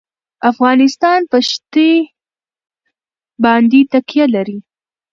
افغانستان په ښتې باندې تکیه لري.